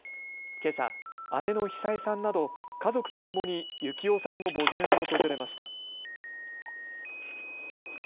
けさ、姉の久江さんなど家族とともに幸男さんの墓前を訪れました。